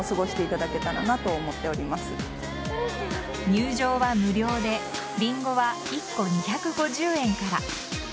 入場は無料でリンゴは１個２５０円から。